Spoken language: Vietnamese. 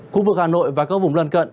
khu vực hà nội và các vùng lần cận